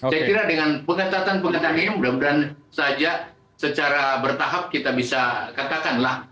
saya kira dengan pengatatan pengatatannya mudah mudahan saja secara bertahap kita bisa katakanlah